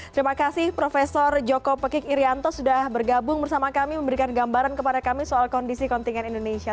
terima kasih prof joko pekik irianto sudah bergabung bersama kami memberikan gambaran kepada kami soal kondisi kontingen indonesia